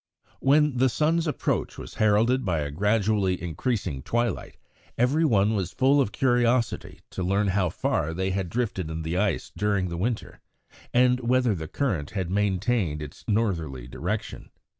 When the sun's approach was heralded by a gradually increasing twilight, every one was full of curiosity to learn how far they had drifted in the ice during the winter, and whether the current had maintained its northerly direction.